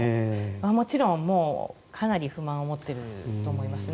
もちろんかなり不満を持っていると思いますね。